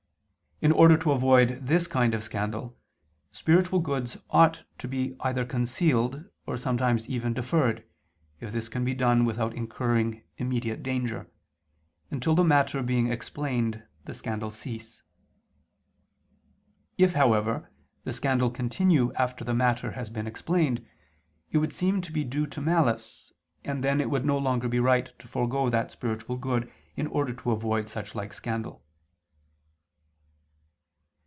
In order to avoid this kind of scandal, spiritual goods ought to be either concealed, or sometimes even deferred (if this can be done without incurring immediate danger), until the matter being explained the scandal cease. If, however, the scandal continue after the matter has been explained, it would seem to be due to malice, and then it would no longer be right to forego that spiritual good in order to avoid such like scandal.